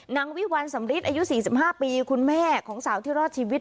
นางวิวัลสำริทอายุ๔๕ปีคุณแม่ของสาวที่รอดชีวิต